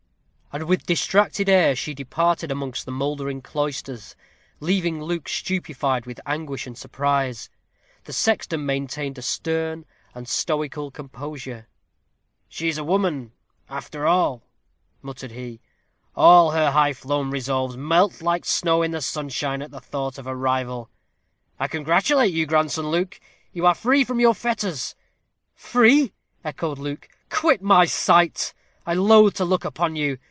And with distracted air she darted amongst the mouldering cloisters, leaving Luke stupefied with anguish and surprise. The sexton maintained a stern and stoical composure. "She is a woman, after all," muttered he; "all her high flown resolves melt like snow in the sunshine at the thought of a rival. I congratulate you, grandson Luke; you are free from your fetters." "Free!" echoed Luke. "Quit my sight; I loathe to look upon you.